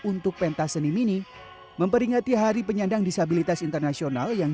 untuk pentas seni mini memperingati hari penyandang disabilitas internasional yang